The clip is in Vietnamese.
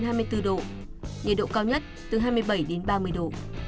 nhiệt độ cao nhất từ hai mươi bảy đến ba mươi độ